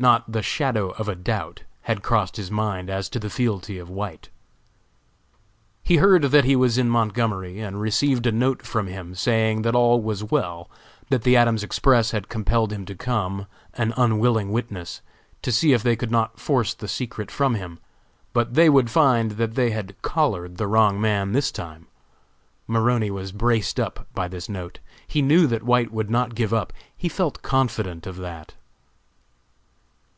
Not the shadow of a doubt had crossed his mind as to the fealty of White. He heard that he was in Montgomery and received a note from him, saying that all was well; that the Adams Express had compelled him to come an unwilling witness to see if they could not force the secret from him, but they would find that they had "collared" the wrong man this time. Maroney was braced up by this note. He knew that White would not give up; he felt confident of that!